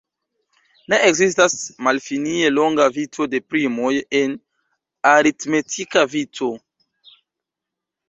Ne ekzistas malfinie longa vico de primoj en aritmetika vico.